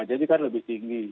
jadi kan lebih tinggi